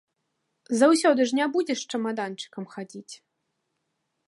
Заўсёды ж не будзеш з чамаданчыкам хадзіць.